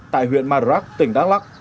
tại huyện madrak tỉnh đắk lắc